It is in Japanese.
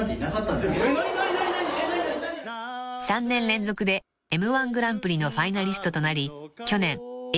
［３年連続でＭ−１グランプリのファイナリストとなり去年